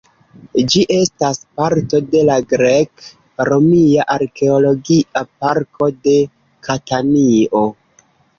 Ĝi estas parto de la Grek-Romia Arkeologia Parko de Katanio.